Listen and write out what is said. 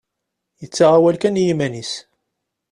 Yettaɣ awal kan i yiman-is.